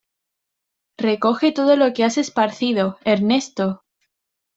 ¡Recoge todo lo que has esparcido, Ernesto!